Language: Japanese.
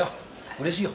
うれしいよ。